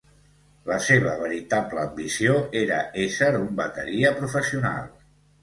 La seva veritable ambició era ésser un bateria professional.